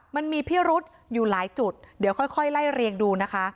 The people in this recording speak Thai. มันมีพิรุษอยู่หลายจุดเดี๋ยวค่อยไล่เรียงดูนะคะ